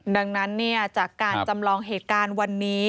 ดังนั้นจากการจำลองเหตุการณ์วันนี้